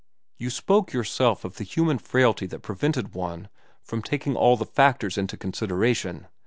You spoke yourself of the human frailty that prevented one from taking all the factors into consideration.